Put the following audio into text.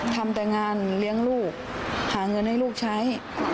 ทำแต่งานเลี้ยงลูกหาเงินให้ลูกใช้